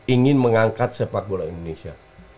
ingin mengangkat sepak bola indonesia